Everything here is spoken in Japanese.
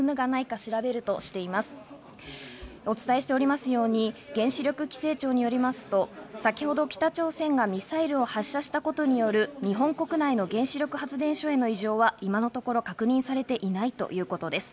また原子力規制庁によりますと、先ほど北朝鮮がミサイルを発射したことによる日本国内の原子力発電所への異常は今のところ確認されていないということです。